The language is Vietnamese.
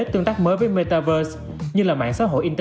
tương tác mới với metaverse như là mạng xã hội internet